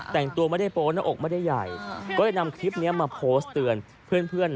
แต่งตัวไม่ได้โป๊หน้าอกไม่ได้ใหญ่ก็เลยนำคลิปนี้มาโพสต์เตือนเพื่อน